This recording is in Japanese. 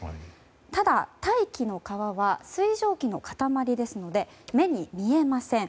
ただ、大気の川は水蒸気の固まりですので目に見えません。